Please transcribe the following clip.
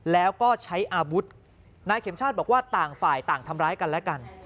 แล้วก็ใช้อาวุธนายเข็มชาติบอกว่าต่างฝ่ายต่างทำร้ายกันและกัน